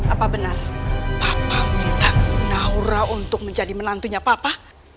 apa benar papa minta naura untuk menjadi menantunya papa